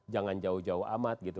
jangan jauh jauh amat gitu